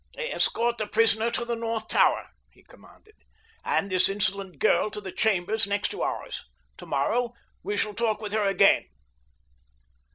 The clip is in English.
"Escort the prisoner to the north tower," he commanded, "and this insolent girl to the chambers next to ours. Tomorrow we shall talk with her again."